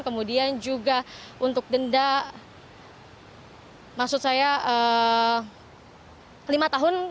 kemudian juga untuk denda maksud saya lima tahun